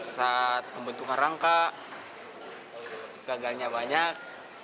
saat pembentukan rangka gagalnya banyak